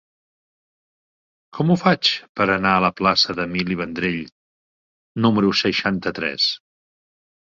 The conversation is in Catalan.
Com ho faig per anar a la plaça d'Emili Vendrell número seixanta-tres?